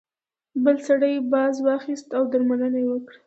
بل سړي باز واخیست او درملنه یې وکړه.